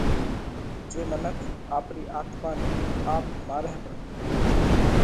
جي منک آپرِي آتما نئہ آپ مارئھ پرئي۔